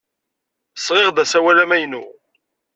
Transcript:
Sɣiɣ-d asawal amaynu.